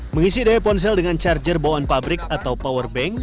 mengisi daya ponsel dengan charger bawaan pabrik atau powerbank